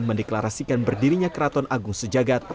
mendeklarasikan berdirinya keraton agung sejagat